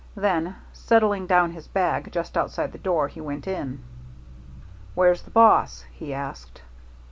Then, setting down his bag just outside the door, he went in. "Where's the boss?" he asked.